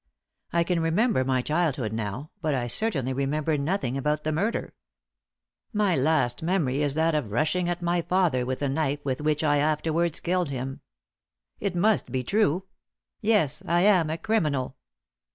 I can remember my childhood now, but I certainly remember nothing about the murder. My last memory is that of rushing at my father with the knife with which I afterwards killed him. It must be true; yes, I am a criminal!